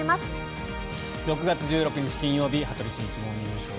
６月１６日、金曜日「羽鳥慎一モーニングショー」。